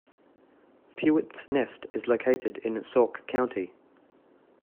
Pewits Nest is located in Sauk County.